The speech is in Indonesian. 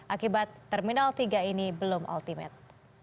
akibat terminal tiga ini belum ultimate